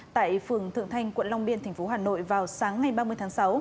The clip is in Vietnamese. tại phường thượng thanh quận long biên tp hà nội vào sáng ngày ba mươi tháng sáu